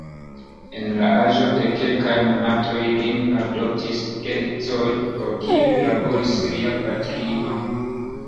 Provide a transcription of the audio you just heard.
En la aĝo de kelkaj monatoj lin adoptis geedzoj, por kiuj laboris lia patrino.